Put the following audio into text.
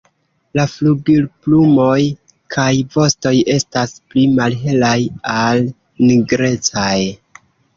La flugilplumoj kaj vostoj estas pli malhelaj al nigrecaj.